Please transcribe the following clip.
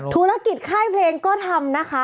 ธุรกิจค่ายเพลงก็ทำนะคะ